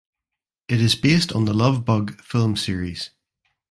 It is based on "The Love Bug" film series.